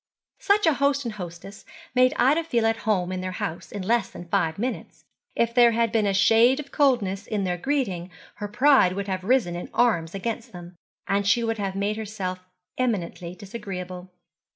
Such a host and hostess made Ida feel at home in their house in less than five minutes. If there had been a shade of coldness in their greeting her pride would have risen in arms against them, and she would have made herself eminently disagreeable.